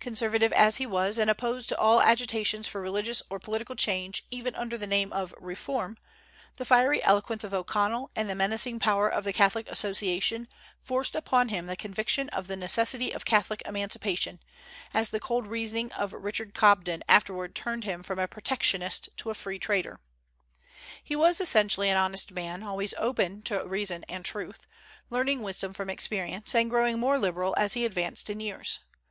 Conservative as he was, and opposed to all agitations for religious or political change even under the name of "reform," the fiery eloquence of O'Connell and the menacing power of the Catholic Association forced upon him the conviction of the necessity of Catholic emancipation, as the cold reasoning of Richard Cobden afterward turned him from a protectionist to a free trader. He was essentially an honest man, always open to reason and truth, learning wisdom from experience, and growing more liberal as he advanced in years.